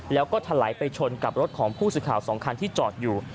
แล้วก็ถลายไปชนกับรถของผู้สื่อข่าว๒คันที่จอดอยู่